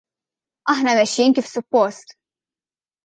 Aħna mexjin kif suppost.